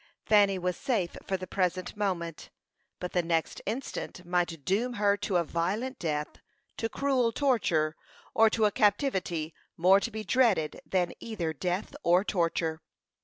Fanny was safe for the present moment, but the next instant might doom her to a violent death, to cruel torture, or to a captivity more to be dreaded than either death or torture.